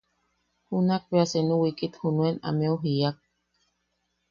Junak bea senu wiikit junen ameu jiiak: